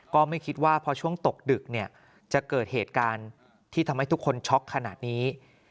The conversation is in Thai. ก็ไม่คิดว่าพอช่วงตกดึกเนี่ยจะเกิดเหตุการณ์ที่ทำให้ทุกคนช็อกขนาดนี้